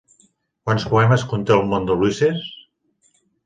Quants poemes conté el Món d'Ulisses?